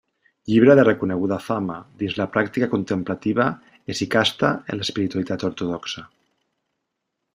Llibre de reconeguda fama dins la pràctica contemplativa hesicasta en l'espiritualitat ortodoxa.